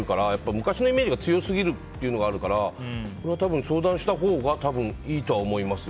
昔のイメージが強すぎるのがあるから相談したほうがいいと思うよ。